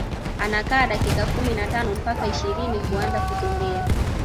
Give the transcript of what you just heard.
Anakaa dakika kumi na tano mpaka ishirini kuanza kutembea